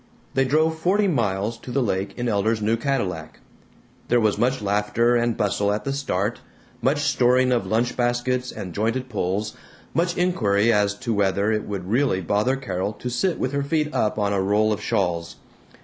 They drove forty miles to the lake in Elder's new Cadillac. There was much laughter and bustle at the start, much storing of lunch baskets and jointed poles, much inquiry as to whether it would really bother Carol to sit with her feet up on a roll of shawls.